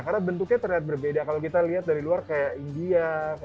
karena bentuknya terlihat berbeda kalau kita lihat dari luar kayak india